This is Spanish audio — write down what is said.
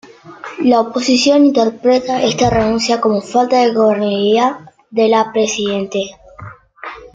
La oposición interpreta esta renuncia como falta de gobernabilidad de la presidente.